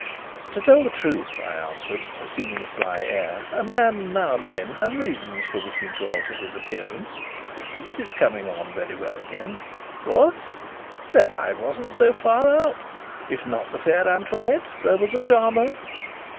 "To tell the truth," I answered, assuming a sly air, "a man now and then has reasons for wishing to alter his appearance. But it's coming on very well again." "What? Then I wasn't so far out! If not the fair Antoinette, there was a charmer?"